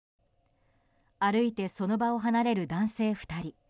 歩いてその場を離れる男性２人。